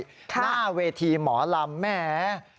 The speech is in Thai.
หน้าเวทีหมอลำแหม